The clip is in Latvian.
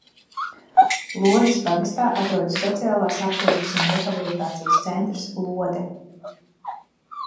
"Lodes pagastā atrodas Sociālās aprūpes un rehabilitācijas centrs "Lode"."